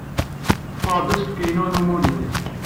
Ḍḍfeɣ-d asefk-inu n umulli.